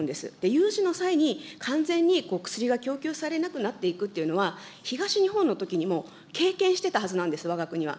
有事の際に完全に薬が供給されなくなっていくというのは、東日本のときにも経験してたはずなんです、わが国は。